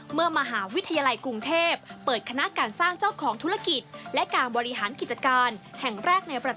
เมื่อมหาวิทยาลัยกรุงเทพ